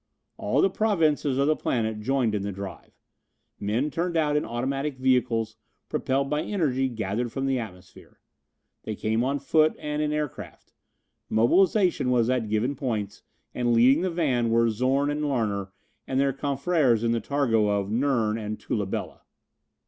All the provinces of the planet joined in the drive. Men turned out in automatic vehicles, propelled by energy gathered from the atmosphere. They came on foot and in aircraft. Mobilization was at given points and, leading the van, were Zorn and Larner and their confreres in the targo of Nern and Tula Bela.